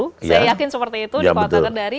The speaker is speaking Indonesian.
saya yakin seperti itu di kota kendari